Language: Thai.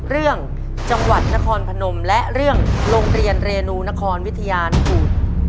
เรื่องจังหวัดนครพนมและเรื่องโรงเรียนเรนูนครวิทยานุกูล